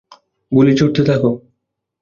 গুলি ছুঁড়তে থাক!